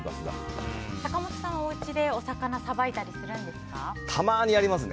坂本さんは、おうちでお魚さばいたりするんですか？